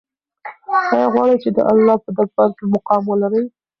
آیا غواړې چې د الله په دربار کې مقام ولرې؟